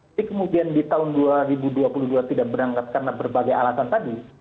tapi kemudian di tahun dua ribu dua puluh dua tidak berangkat karena berbagai alasan tadi